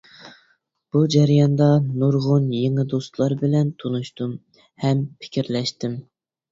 بۇ جەرياندا نۇرغۇن يېڭى دوستلار بىلەن تونۇشتۇم ھەم پىكىرلەشتىم.